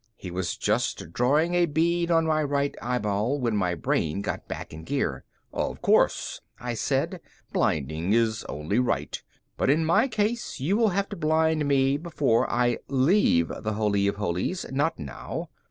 He was just drawing a bead on my right eyeball when my brain got back in gear. "Of course," I said, "blinding is only right. But in my case you will have to blind me before I leave the Holy of Holies, not now.